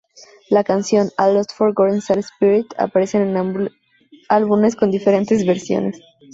La canción "A Lost Forgotten Sad Spirit" aparece en ambos álbumes con diferentes versiones.